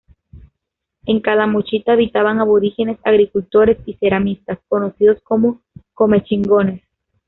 En Calamuchita habitaban aborígenes agricultores y ceramistas, conocidos como Comechingones.